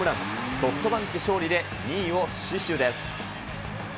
ソフトバンク勝利で、２位を死守です。